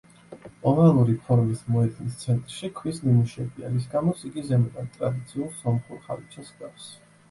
ოვალური ფორმის მოედნის ცენტრში ქვის ნიმუშებია, რის გამოც იგი ზემოდან ტრადიციულ სომხურ ხალიჩას ჰგავს.